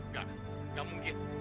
gak gak mungkin